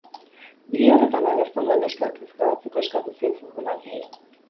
Bideo horretan agertzen den neskak ez grabatzeko eskatu zien futbolariei.